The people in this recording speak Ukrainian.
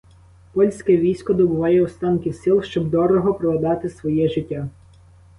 Польське військо добуває останків сил, щоб дорого продати своє життя.